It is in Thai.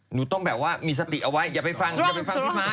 หนูต้องแบบว่ามีสติเอาไว้อย่าไปฟังอย่าไปฟังพี่ม้า